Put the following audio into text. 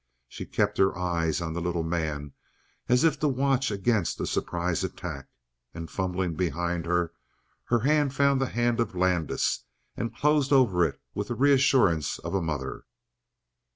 She kept her eye on the little man, as if to watch against a surprise attack, and, fumbling behind her, her hand found the hand of Landis and closed over it with the reassurance of a mother.